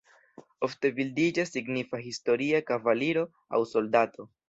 Ofte bildiĝas signifa historia kavaliro aŭ soldato.